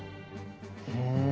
ふん。